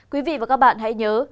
quý vị và các bạn hãy nhớ